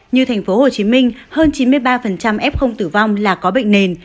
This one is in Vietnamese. như thành phố hồ chí minh hơn chín mươi ba f tử vong là có bệnh nền